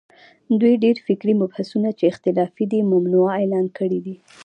دوی ډېر فکري مبحثونه چې اختلافي دي، ممنوعه اعلان کړي دي